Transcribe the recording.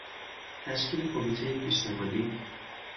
تشکیل کمیتهی پیشنهادی